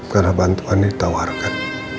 karena bantuan ditawarkan